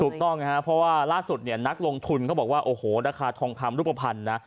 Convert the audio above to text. ถูกต้องนะครับเพราะว่าล่าสุดเนี่ยนักลงทุนเขาบอกว่าโอ้โหราคาทองคำรูปภัณฑ์นะ